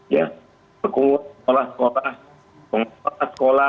ya sekolah sekolah pengelola sekolah